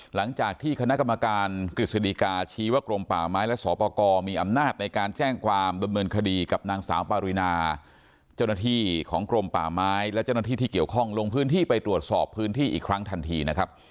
หลังจากที่คณะกรรมการกฤษฎีกาชี้ว่ากรมป่าไม้และสอปกรมีอำนาจในการแจ้งความดำเนินคดีกับนางสาวปารินาเจ้าหน้าที่ของกรมป่าไม้และเจ้าหน้าที่ที่เกี่ยวข้องลงพื้นที่ไปตรวจสอบพื้นที่อีกครั้งทันทีนะครับ